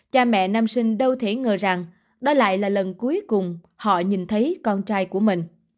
cha mẹ nam sinh đâu thể ngờ rằng đó lại là lần cuối cùng họ nhìn thấy con trai của mình